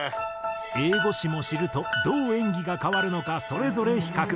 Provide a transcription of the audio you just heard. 英語詞も知るとどう演技が変わるのかそれぞれ比較。